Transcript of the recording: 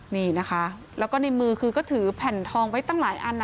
เนี้ยค่ะก็ในมือที่ก็ถือแผ่นทองไว้ตั้งหลายอัน